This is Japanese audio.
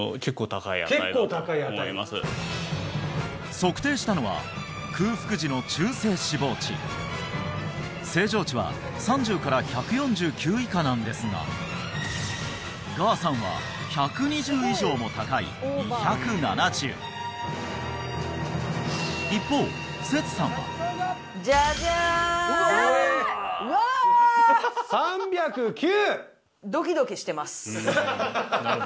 測定したのは空腹時の中性脂肪値正常値は３０１４９以下なんですががさんは１２０以上も高い２７０ジャジャーン３０９！